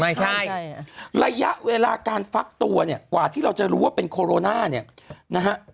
ใช่ระยะเวลาการฟักตัวเนี่ยกว่าที่เราจะรู้ว่าเป็นโคโรนาเนี่ยนะฮะ